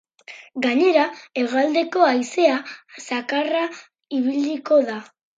Gainera, hegoaldeko haizea zakarra ibiliko da.